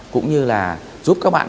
cũng như là giúp các bạn